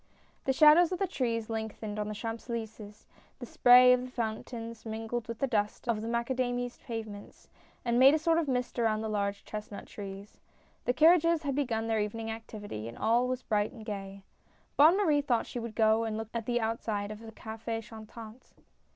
The shadows of the trees lengthened on the Champs Elys^es — the spray of the fountains mingled with the dust of the macadamised pavements, and made a sort of mist around the large chestnut trees. The carriages had begun their evening activity, and all was bright and gay. Bonne Marie thought she would go and look at the outside of the CafS Chantant.